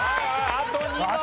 あと２問！